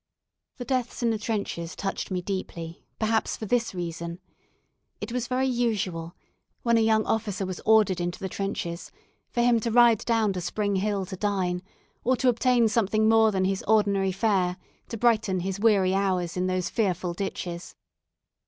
The deaths in the trenches touched me deeply, perhaps for this reason. It was very usual, when a young officer was ordered into the trenches, for him to ride down to Spring Hill to dine, or obtain something more than his ordinary fare to brighten his weary hours in those fearful ditches.